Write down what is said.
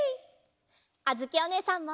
あづきおねえさんも！